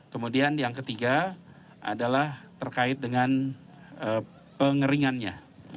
kemudian yang ketiga adalah terkait dengan pengeringannya